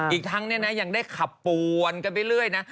อีกทั้งเนี่ยนะยังได้ขับปวนกันไปเรื่อยนะ